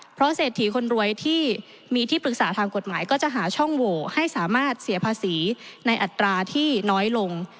เพราะเศรษฐีคนรวยที่มีที่ปรึกษาทางกฎหมายก็จะหาช่องโหวให้สามารถเสียภาษีในอัตราที่น้อยลง